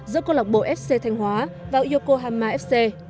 giữa câu lọc bộ fc thanh hóa và yoko hamada